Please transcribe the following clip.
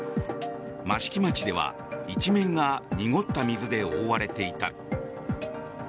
益城町では一面が濁った水で覆われていた。